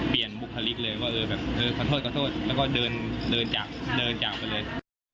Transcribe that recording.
เปลี่ยนบุคลิกเลยอ่ะคือแบบเออขอโทษแล้วก็เดินจากไปเลย